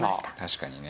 確かにね。